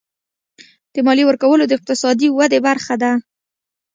د مالیې ورکول د اقتصادي ودې برخه ده.